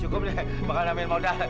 cukup nih makan ambil mau dah